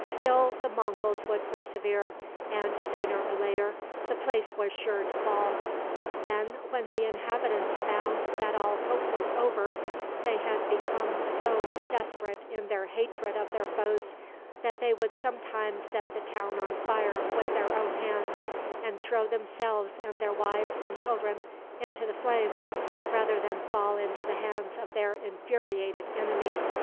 Still the Monguls would persevere, and, sooner or later, the place was sure to fall. Then, when the inhabitants found that all hope was over, they had become so desperate in their hatred of their foes that they would sometimes set the town on fire with their own hands, and throw themselves and their wives and children into the flames, rather than fall into the hands of their infuriated enemies.